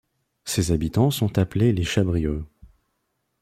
Ses habitants sont appelés les Chabriots.